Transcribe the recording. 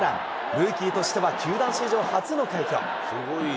ルーキーとしては球団史上初の快挙。